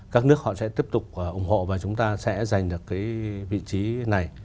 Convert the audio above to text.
các nước họ sẽ tiếp tục ủng hộ và chúng ta sẽ giành được cái vị trí này